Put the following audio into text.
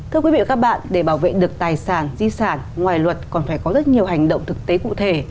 thưa quý vị và các bạn để bảo vệ được tài sản di sản ngoài luật còn phải có rất nhiều hành động thực tế cụ thể